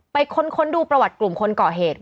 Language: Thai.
ค้นดูประวัติกลุ่มคนก่อเหตุ